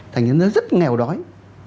thành ra nó rất nghèo đói